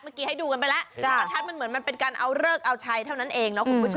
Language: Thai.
เมื่อกี้ให้ดูกันไปแล้วประทัดเหมือนเป็นการเอาเลิกเอาใช้เท่านั้นเอง